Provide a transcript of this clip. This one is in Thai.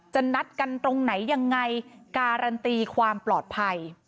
นัดกันตรงไหนยังไงการันตีความปลอดภัย